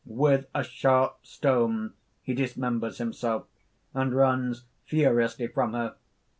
(_With a sharp stone he dismembers himself, and runs furiously from her